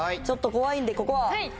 ちょっと怖いんでここは。